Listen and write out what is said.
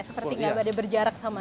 seperti nggak ada berjarak sama